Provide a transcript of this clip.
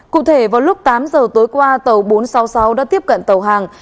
cụ thể vào lúc tám giờ tối qua tàu bốn trăm sáu mươi sáu đã tiếp cận tàu hàng